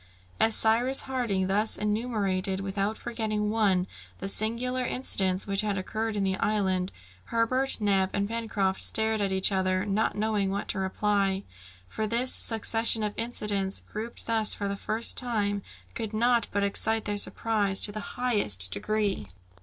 As Cyrus Harding thus enumerated, without forgetting one, the singular incidents which had occurred in the island, Herbert, Neb, and Pencraft stared at each other, not knowing what to reply, for this succession of incidents, grouped thus for the first time, could not but excite their surprise to the highest degree.